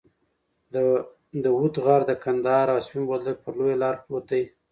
د وط غر د قندهار او سپین بولدک پر لویه لار پروت دی.